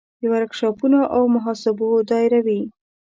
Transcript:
د ورکشاپونو او مصاحبو دایروي.